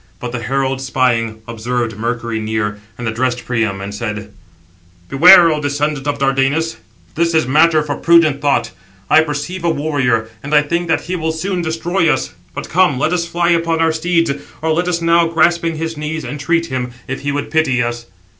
But the herald, spying, observed Mercury near, and addressed Priam, and said: Footnote 789: (return) Compare Milton, P.L. v. 285, sqq., with Newton's note. "Beware, O descendant of Dardanus; this is matter for prudent thought. I perceive a warrior, and I think that he will soon destroy us. But come, let us fly upon our steeds; or let us now, grasping his knees, entreat him, if he would pity us."